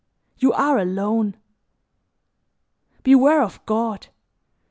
You are alone! Beware of God!